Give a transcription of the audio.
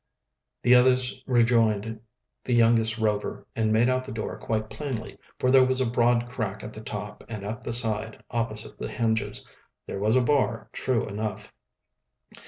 The others rejoined the youngest Rover, and made out the door quite plainly, for there was a broad crack at the top and at the side opposite the hinges. There was a bar, true enough.